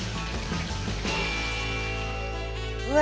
うわ。